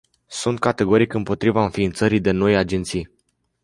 Sunt categoric împotriva înființării de noi agenții.